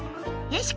よし。